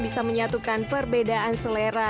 bisa menyatukan perbedaan selera